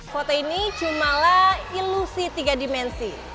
foto ini cumalah ilusi tiga dimensi